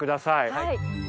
はい。